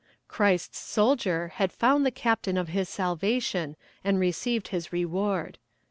Christ's soldier had found the captain of his salvation, and received his reward."